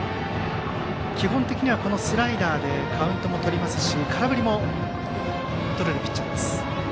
基本的には、スライダーでカウントもとりますし空振りもとれるピッチャーです。